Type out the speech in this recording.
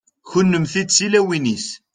kunemti d tulawin-is